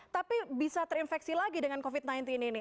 tapi bisa terinfeksi lagi dengan covid sembilan belas ini